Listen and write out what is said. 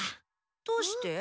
どうして？